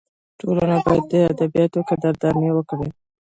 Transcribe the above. ټولنه باید د ادیبانو قدرداني وکړي.